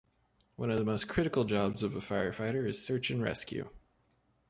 One of the most critical jobs of a firefighter is search and rescue.